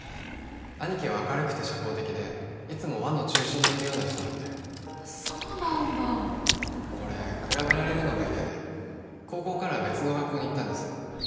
兄貴は明るくて社交的でいつも輪の中心にいるような人なんでそうなんだ俺比べられるのが嫌で高校からは別の学校に行ったんです